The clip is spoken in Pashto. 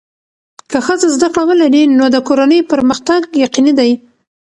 که ښځه زده کړه ولري، نو د کورنۍ پرمختګ یقیني دی.